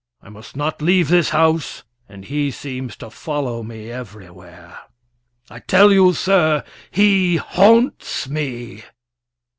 I must not leave this house, and he seems to follow me everywhere. I tell you, sir, he haunts me."